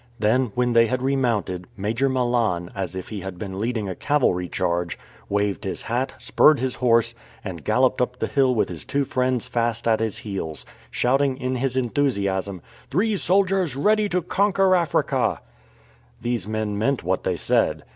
Then when they had remounted. Major Malan, as if he had been leading a cavalry charge, waved his hat, spurred his horse, and galloped up the hill with his two friends fast at his heels, shouting in his enthusiasm, "Three soldiers ready to conquer Africa." These men meant, what they said.